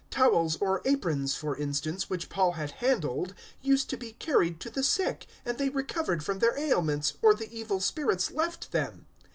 019:012 Towels or aprons, for instance, which Paul had handled used to be carried to the sick, and they recovered from their ailments, or the evil spirits left them.